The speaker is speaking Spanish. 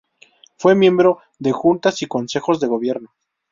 Fue miembro de juntas y consejos de gobierno.